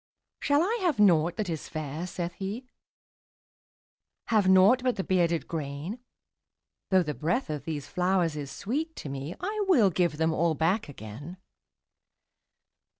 ``Shall I have nought that is fair?'' saith he; ``Have nought but the bearded grain? Though the breath of these flowers is sweet to me, I will give them all back again.''